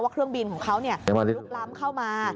เครื่องบินของเขาลุกล้ำเข้ามา